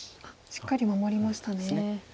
しっかり守りました。